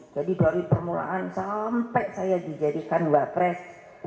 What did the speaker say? jadi dari permulaan sampai saya dijadikan wapres